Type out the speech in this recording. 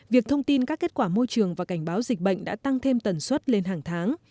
việc thông tin các kết quả môi trường và cảnh báo dịch bệnh đã tăng thêm tần suất lên hàng tháng